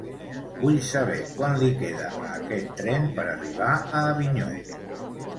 Vull saber quant li queda a aquest tren per arribar a Avinyó.